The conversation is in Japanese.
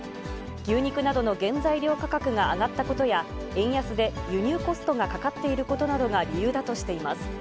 牛肉などの原材料価格が上がったことや、円安で輸入コストがかかっていることなどが理由だとしています。